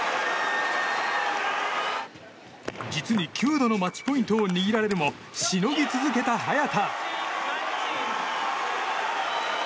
実に９度のマッチポイントを握られるもしのぎ続けた早田。